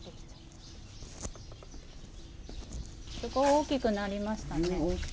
大きくなりましたね。